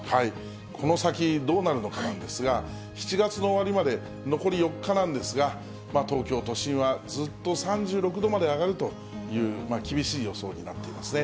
この先どうなるのかなんですが、７月の終わりまで残り４日なんですが、東京都心はずっと３６度まで上がるという厳しい予想になっていますね。